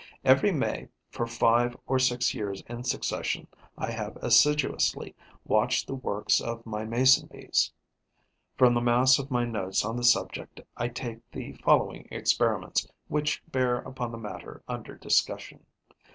Every May, for five or six years in succession, I have assiduously watched the works of my Mason bees. From the mass of my notes on the subject I take the following experiments which bear upon the matter under discussion.